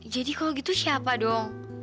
jadi kalau gitu siapa dong